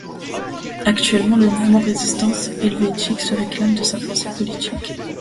Actuellement, le mouvement Résistance Helvétique se réclame de sa pensée politique.